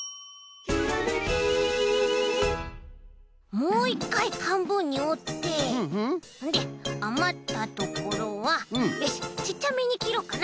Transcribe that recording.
もう１かいはんぶんにおってであまったところはよしちっちゃめにきろうかな。